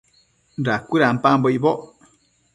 Dacuëdampambo icboc